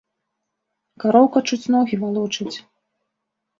Кароўка чуць ногі валочыць.